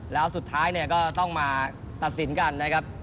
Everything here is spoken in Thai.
แล้วสุดท้ายเนี่ยก็ต้องมาตัดสินกันนะครับ